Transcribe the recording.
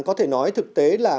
có thể nói thực tế là